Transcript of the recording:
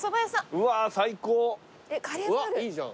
うわいいじゃん。